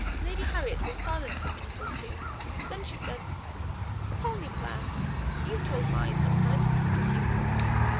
Lady Harriet was silent for a minute or two; then she said, "Tell me, Clare; you've told lies sometimes, haven't you?"